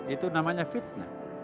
itu namanya fitnah